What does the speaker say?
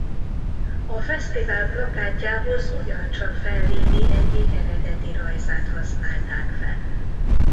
A fesztivál plakátjához ugyancsak Fellini egyik eredeti rajzát használták fel.